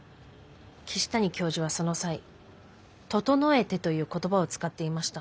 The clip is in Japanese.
岸谷教授はその際「整えて」という言葉を使っていました。